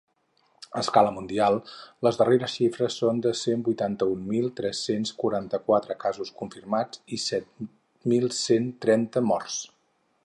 A escala mundial les darreres xifres són de cent vuitanta-un mil tres-cents quaranta-quatre casos confirmats i set mil cent trenta morts.